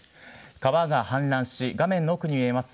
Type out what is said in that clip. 川が氾濫し、画面の奥に見えます